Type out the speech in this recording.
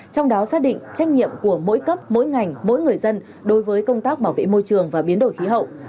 trong đó xác định trách nhiệm của mỗi cấp mỗi ngành mỗi người dân đối với công tác bảo vệ môi trường và biến đổi khí hậu